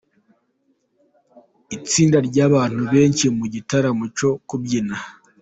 Itsinda ryabantu benshi mu gitaramo cyo kubyina